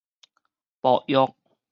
薄藥